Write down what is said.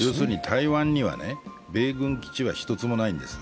台湾には米軍基地は一つもないんです。